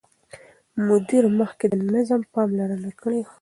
مدیر مخکې د نظم پاملرنه کړې وه.